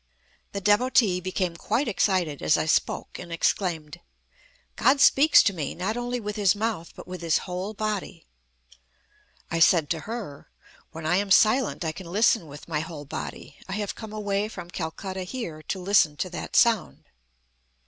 The Devotee became quite excited as I spoke, and exclaimed: "God speaks to me, not only with His mouth, but with His whole body." I said to her: "When I am silent I can listen with my whole body. I have come away from Calcutta here to listen to that sound."